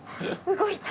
動いた！